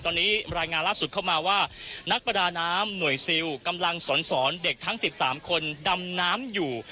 ตอนนี้รายงานล่าสุดเข้ามาว่านักประดาน้ำหน่วยซิลกำลังสอนเด็กทั้ง๑๓คนดำน้ำอยู่